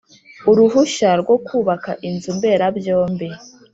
uruhushya rwo kubaka inzu mberabyombi